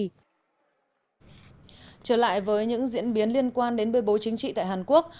trở lại với những diễn biến liên quan đến bê bối chính trị tại hàn quốc